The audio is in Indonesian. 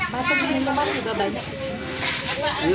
bakso lapa juga